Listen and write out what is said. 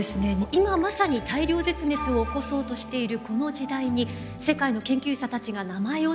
今まさに大量絶滅を起こそうとしているこの時代に世界の研究者たちが名前を付けようとしています。